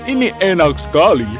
ini enak sekali